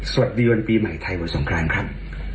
สวัสดีวันปีใหม่ไทยวันสงกรานครับ